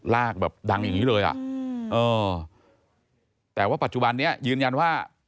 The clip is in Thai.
ลากแบบดังอย่างงี้เลยอ่ะเออแต่ว่าปัจจุบันนี้ยืนยันว่า